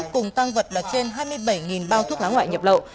cùng tăng vật là trên hai mươi bảy bao thuốc lá ngoại nhập lậu